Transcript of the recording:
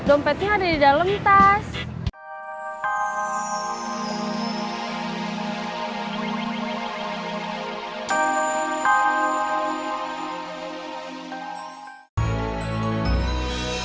dompetnya ada di dalam tas